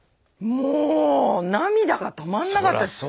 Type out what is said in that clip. もう涙が止まんなかったです。